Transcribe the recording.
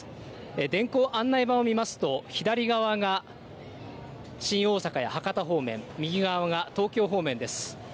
電光案内板を見ますと左側が新大阪や博多方面、右側が東京方面です。